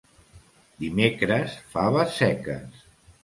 Dimecres, faves seques.